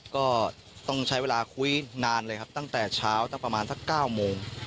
ก็ต้องใช้เวลาคุยนานเลยครับตั้งแต่เช้าตั้งประมาณสัก๙โมง